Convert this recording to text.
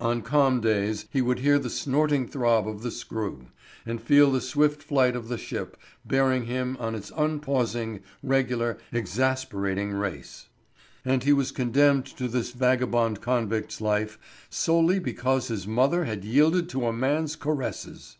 On calm days he would hear the snorting throb of the screw, and feel the swift flight of the ship, bearing him on in its unpausing, regular, exasperating race. And he was condemned to this vagabond convict's life solely because his mother had yielded to a man's caresses.